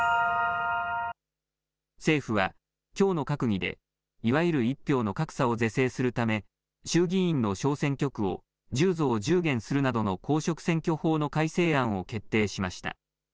政府はきょうの閣議でいわゆる１票の格差を是正するため衆議院の小選挙区を１０増１０減するなどの公職選挙法の改正案を決定しました。